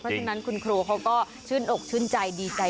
เพราะฉะนั้นคุณครูเขาก็ชื่นอกชื่นใจดีใจ